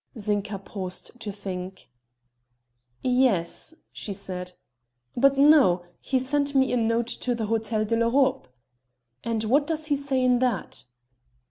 Zinka paused to think: "Yes...." she said; "but no. He sent me a note to the Hotel de l'Europe." "And what does he say in that?"